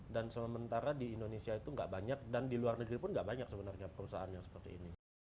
dan sementara di indonesia itu nggak banyak dan di luar negeri pun nggak banyak sebenarnya perusahaan yang seperti ini